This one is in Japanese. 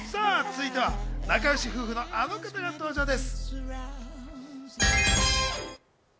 続いては仲よし夫婦のあの方が登場です。